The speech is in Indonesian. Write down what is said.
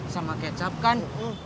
sama kecap kan